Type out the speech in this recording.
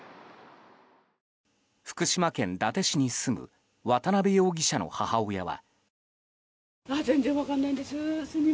福島県伊達市に住む渡邉容疑者の母親は。